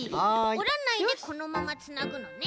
おらないでこのままつなぐのね。